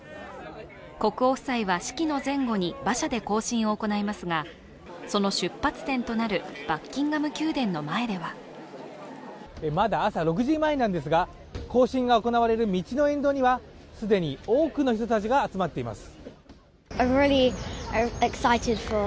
国王夫妻は式の前後に馬車で行進を行いますが、その出発点となるバッキンガム宮殿の前ではまだ朝６時前なんですが、行進が行われる道の沿道には既に多くの人たちが集まっています。